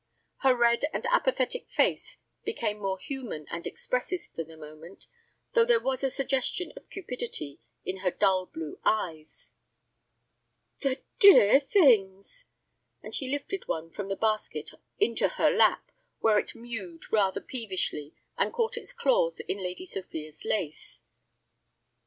Her red and apathetic face became more human and expressive for the moment, though there was a suggestion of cupidity in her dull blue eyes. "The dear things!" and she lifted one from the basket into her lap, where it mewed rather peevishly, and caught its claws in Lady Sophia's lace.